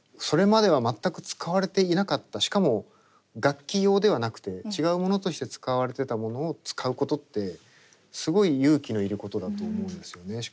それまでは全く使われていなかったしかも楽器用ではなくて違うものとして使われてたものを使うことってすごい勇気のいることだと思うんですよね。